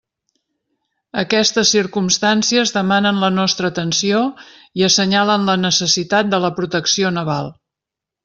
Aquestes circumstàncies demanen la nostra atenció i assenyalen la necessitat de la protecció naval.